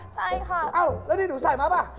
ใช่ค่ะเอ้าแล้วนี่หนูใส่มาหรือเปล่า